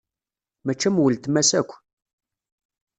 Mačči am uletma-s akk.